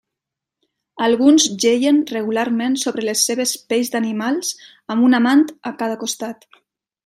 Alguns jeien regularment sobre les seves pells d'animals amb un amant a cada costat.